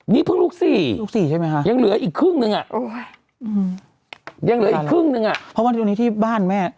นี่เพิ่งลูก๔ยังเหลืออีกครึ่งหนึ่งอ่ะยังเหลืออีกครึ่งหนึ่งอ่ะเพราะว่าวันนี้ที่บ้านแม่